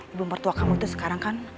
ibu mertua kamu itu sekarang kan